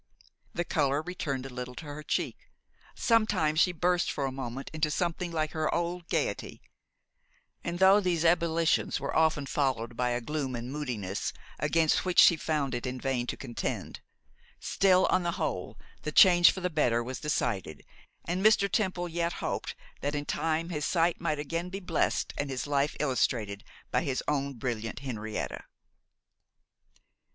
The colour returned a little to her cheek; sometimes she burst for a moment into something like her old gaiety; and though these ebullitions were often followed by a gloom and moodiness, against which she found it in vain to contend, still, on the whole, the change for the better was decided, and Mr. Temple yet hoped that in time his sight might again be blessed and his life illustrated by his own brilliant Henrietta.